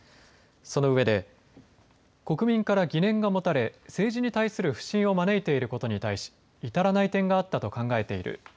そのうえで国民から疑念が持たれ政治に対する不信を招いていることに対し至らない点があったと考えている。